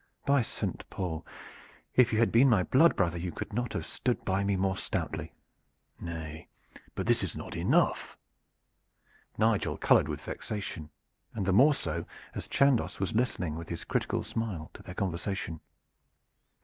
By Saint Paul! if you had been my blood brother you could not have stood by me more stoutly." "Nay! but this is not enough." Nigel colored with vexation, and the more so as Chandos was listening with his critical smile to their conversation.